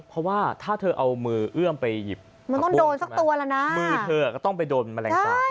เพราะว่าถ้าเธอเอามือเอื้อมไปหยิบมือเธอก็ต้องไปโดนแมลงสาป